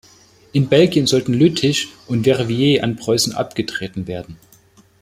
In Belgien sollten Lüttich und Verviers an Preußen abgetreten werden.